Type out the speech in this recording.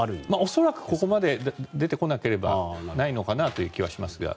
恐らくここまで出てこなければないのかなという気はしますが。